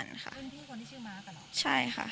เป็นพี่คนที่ชื่อมาร์ทหรอใช่ค่ะ